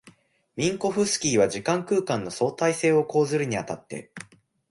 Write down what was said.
ミンコフスキーは時間空間の相対性を講ずるに当たって、